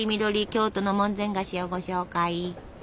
京都の門前菓子をご紹介！